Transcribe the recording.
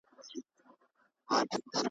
بلکې د هغو علمي شخصیتونو